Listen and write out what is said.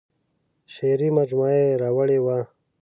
شعري مجموعه یې راوړې وه.